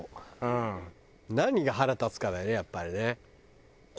何が腹立つかだよねやっぱりね。